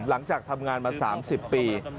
หลังจากทำงานมา๓๐ปี